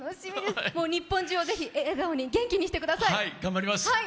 日本中をぜひ笑顔に、元気にしてください。